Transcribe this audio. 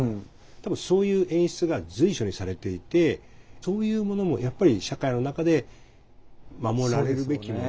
多分そういう演出が随所にされていてそういうものもやっぱり社会の中で守られるべきもの。